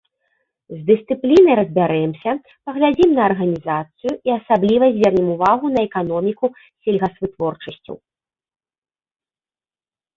З дысцыплінай разбярэмся, паглядзім на арганізацыю і асабліва звернем увагу на эканоміку сельгасвытворчасцяў.